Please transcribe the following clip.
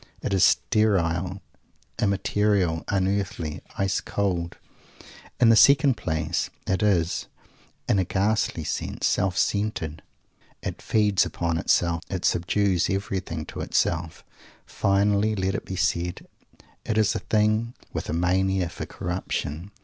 It is sterile, immaterial, unearthly, ice cold. In the second place, it is, in a ghastly sense, self centered! It feeds upon itself. It subdues everything to itself. Finally, let it be said, it is a thing with a mania for Corruption.